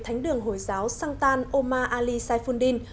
thánh đường hồi giáo shantan omar ali saifuddin